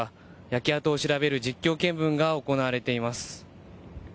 焼け跡を調べる実況見分が行われています。